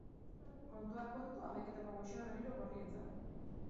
Kontuak kontu, hamaiketako goxoa berriro gorrientzat.